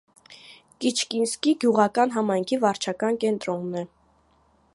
Կիչկինսկի գյուղական համայնքի վարչական կենտրոնն է։